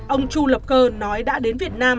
ông chu lập cơ nói đã đến việt nam